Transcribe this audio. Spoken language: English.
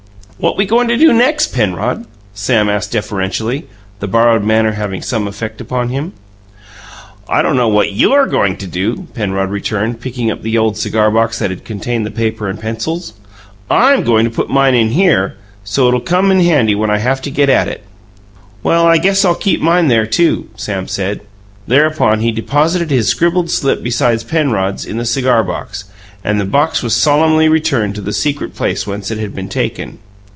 "What we goin' do next, Penrod?" Sam asked deferentially, the borrowed manner having some effect upon him. "I don't know what YOU'RE goin' to do," Penrod returned, picking up the old cigarbox that had contained the paper and pencils. "I'M goin' to put mine in here, so's it'll come in handy when I haf to get at it." "Well, I guess I'll keep mine there, too," Sam said. Thereupon he deposited his scribbled slip beside Penrod's in the cigarbox, and the box was solemnly returned to the secret place whence it had been taken.